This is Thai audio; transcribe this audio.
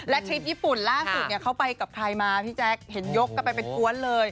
และทริปญี่ปุ่นล่าสุดเนี่ยเขาไปกับใครมาพี่แจ๊คเห็นยกกันไปเป็นกวนเลย